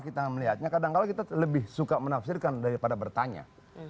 kita melihatnya kadang kadang kita lebih suka menafsirkan daripada bertanya